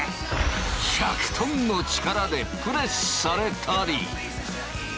１００トンの力でプレスされたり。